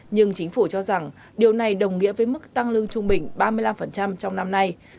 nhưng chính phủ cho rằng điều này đồng nghĩa với mức tăng lương trung bình ba mươi năm trong năm nay